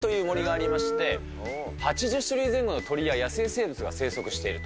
この近くには軽井沢の野鳥の森という森がありまして、８０種類前後の鳥や野生生物が生息していると。